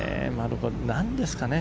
なんですかね。